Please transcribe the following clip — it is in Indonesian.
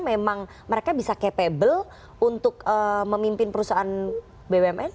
memang mereka bisa capable untuk memimpin perusahaan bumn